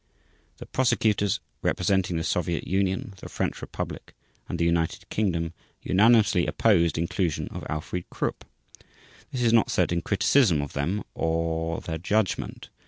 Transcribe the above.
The Prosecutors representing the Soviet Union, the French Republic, and the United Kingdom unanimously opposed inclusion of Alfried Krupp. This is not said in criticism of them or their judgment.